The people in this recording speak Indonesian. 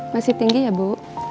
masih tinggi ya bu